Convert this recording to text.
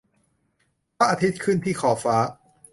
พระอาทิตย์ขึ้นที่ขอบฟ้า